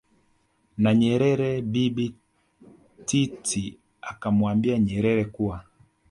na Nyerere Bibi Titi akamwambia Nyerere kuwa